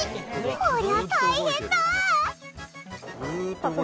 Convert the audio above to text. こりゃ大変だ。